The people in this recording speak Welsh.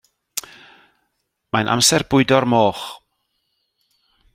Mae'n amser bwydo'r moch.